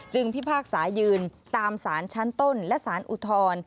จึงพิพากษายืนตามศาลชั้นต้นและศาลอุทธร